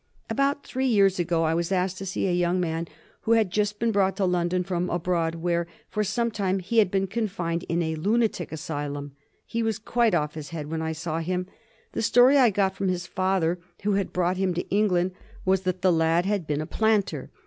About three years ago I was asked to see a young man who had just been brought to London from abroad where, for some time, he had been confined in a lunatic asylum. He was quite off his head when I saw him. The story I got from his father, who had brought him to England, was that the lad had been a planter.